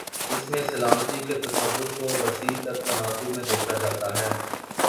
اس میں سلامتی کے تصور کو وسیع تر تناظر میں دیکھا جاتا ہے۔